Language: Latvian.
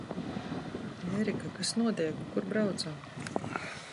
Ērika, kas notiek? Kur braucam?